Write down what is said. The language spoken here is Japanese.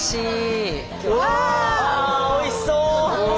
うわおいしそう！